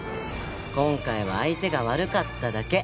今回は相手が悪かっただけ。